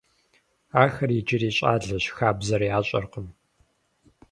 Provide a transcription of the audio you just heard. Ахэр иджыри щӀалэщ, хабзэр ящӀэркъым.